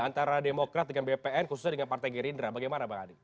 antara demokrat dengan bpn khususnya dengan partai gerindra bagaimana bang adi